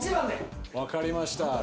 分かりました。